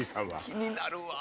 気になるわ。